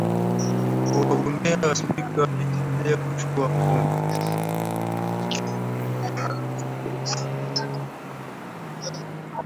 u wagombea wa spika wakietendelea kuchukuwa fomu